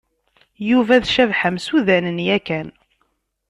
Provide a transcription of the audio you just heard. Yuba d Cabḥa msudanen yakan.